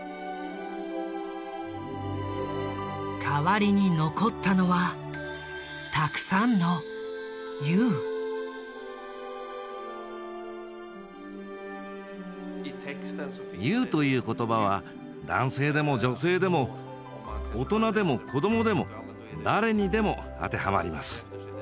代わりに残ったのはたくさんの「Ｙｏｕ」という言葉は男性でも女性でも大人でも子どもでも誰にでも当てはまります。